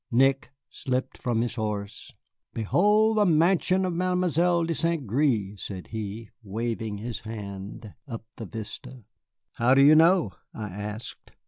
Nick slipped from his horse. "Behold the mansion of Mademoiselle de Saint Gré," said he, waving his hand up the vista. "How do you know?" I asked.